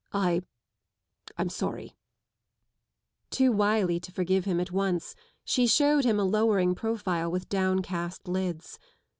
103 IŌĆö I'm sorry, t┬╗ Too wily to forgive him at once, she showed him a lowering profile with down* cast lids.